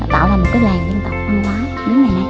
tạo ra một cái làng dân tộc văn hóa